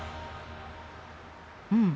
うん。